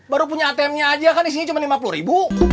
baru punya atm nya aja kan isinya cuma lima puluh ribu